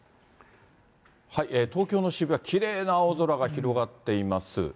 東京の渋谷はきれいな青空が広がっています。